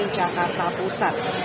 di jakarta pusat